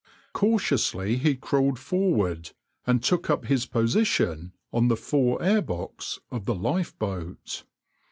Cautiously he crawled forward and took up his position on the fore air box of the lifeboat.